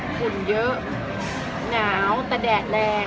ฝุ่นเยอะหนาวแต่แดดแรง